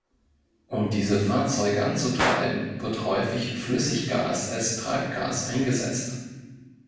Um diese Fahrzeuge anzutreiben wird häufig Flüssiggas als Treibgas eingesetzt.